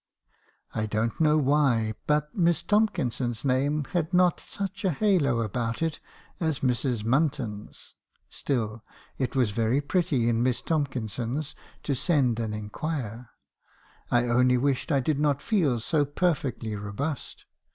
"I don't know why, but Miss Tomkinsons' name had not such a halo about it as Mrs. Munton's. Still it was very pretty in Miss Tomkinsons to send and inquire. I only wished I did not feel so perfectly robust.